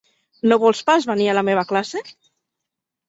No vols pas venir a la meva classe?